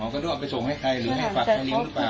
ก็ด้วยเอาไปส่งให้ใครหรือให้ฝากทางนี้หรือเปล่า